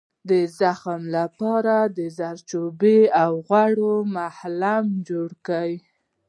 د زخم لپاره د زردچوبې او غوړیو ملهم جوړ کړئ